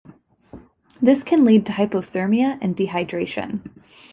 This can lead to hypothermia and dehydration.